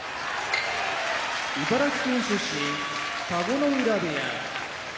茨城県出身田子ノ浦部屋